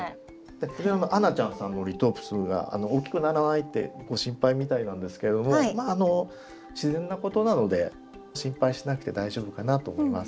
あなちゃんさんのリトープスが大きくならないってご心配みたいなんですけどもあの自然なことなので心配しなくて大丈夫かなと思います。